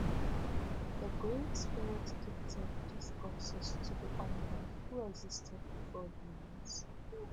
The Great Spirit gifted these boxes to the animals who existed before humans.